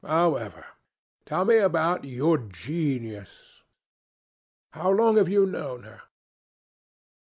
However, tell me about your genius. How long have you known her?"